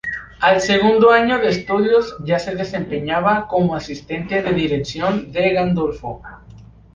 Al segundo año de estudios ya se desempeñaba como asistente de dirección de Gandolfo.